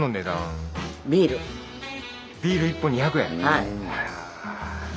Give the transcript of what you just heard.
はい。